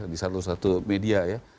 di salah satu media ya